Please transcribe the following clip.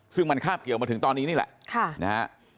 ซึ่งมันคาบเกี่ยวมาถึงตอนนี้นี่แหละนะฮะ